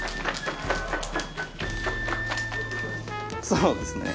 そうですね